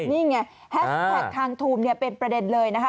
นี่ไงแฮชแท็กทางทูมเนี่ยเป็นประเด็นเลยนะคะ